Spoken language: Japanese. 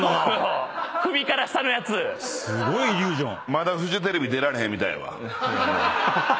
すごいイリュージョン。